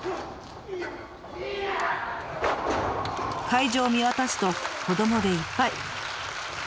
会場を見渡すと子どもでいっぱい！